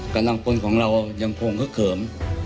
กำลังพลของเรายังคงฮึกเขิม